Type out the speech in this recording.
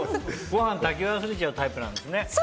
ご飯炊き忘れちゃうタイプなんですね。